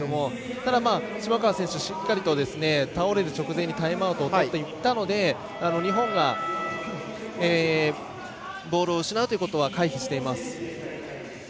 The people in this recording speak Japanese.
ただ、島川選手しっかりと倒れる直前にタイムアウトをとっていったので日本がボールを失うということは回避しています。